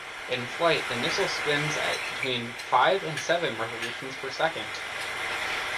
In flight, the missile spins at between five and seven revolutions per second.